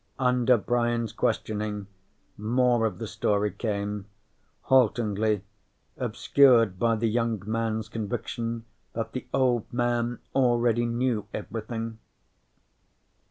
Under Brian's questioning, more of the story came, haltingly, obscured by the young man's conviction that the Old Man already knew everything.